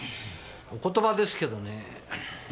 お言葉ですけどね